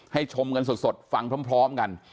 ชมกันสดฟังพร้อมกัน